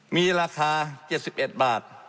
มีราคาเจ็ดสิบเอ็ดบาท